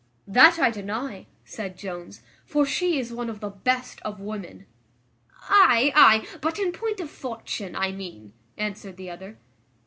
"That I deny," said Jones, "for she is one of the best of women." "Ay, ay, but in point of fortune I mean," answered the other.